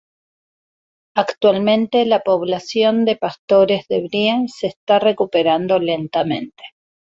Actualmente la población de Pastores de Brie se está recuperando lentamente.